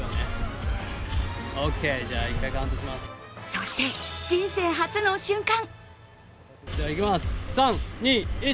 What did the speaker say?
そして人生初の瞬間！